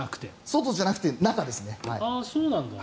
外じゃなくて中ですね。